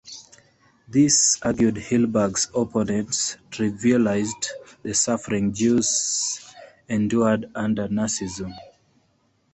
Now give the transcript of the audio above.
This, argued Hilberg's opponents, trivialized the suffering Jews endured under Nazism.